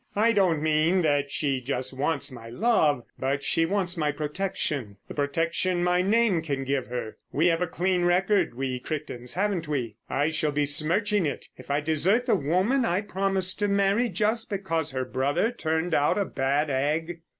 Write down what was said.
I don't mean that she just wants my love, but she wants my protection. The protection my name can give her. We have a clean record, we Crichtons, haven't we? I shall be smirching it if I desert the woman I promised to marry just because her brother's turned out a bad egg."